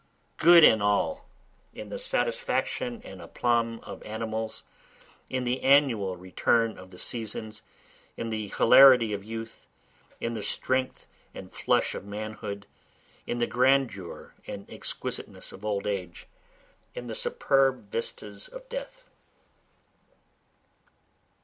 Good in all, In the satisfaction and aplomb of animals, In the annual return of the seasons, In the hilarity of youth, In the strength and flush of manhood, In the grandeur and exquisiteness of old age, In the superb vistas of death.